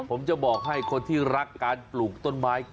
ผมจะบอกให้คนที่รักการปลูกต้นไม้